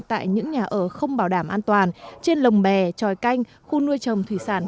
tại những nhà ở không bảo đảm an toàn trên lồng bè tròi canh khu nuôi trồng thủy sản